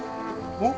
おっ？